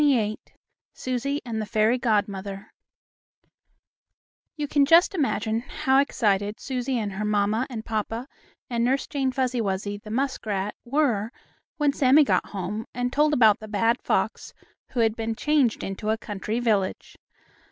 XXVIII SUSIE AND THE FAIRY GODMOTHER You can just imagine how excited Susie and her mamma and papa and Nurse Jane Fuzzy Wuzzy, the muskrat, were when Sammie got home and told about the bad fox who had been changed into a country village.